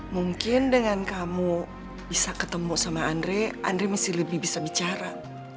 mungkin dengan kamu bisa ketemu sama andre andre masih lebih bisa bicara